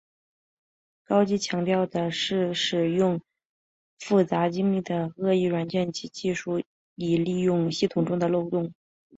高级强调的是使用复杂精密的恶意软件及技术以利用系统中的漏洞。